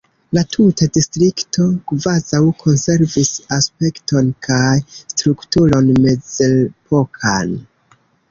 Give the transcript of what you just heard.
La tuta distrikto kvazaŭ konservis aspekton kaj strukturon mezepokan.